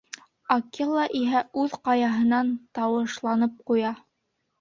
Акела иһә үҙ ҡаяһынан тауышланып ҡуя: